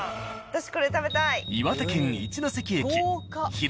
私これ食べたい。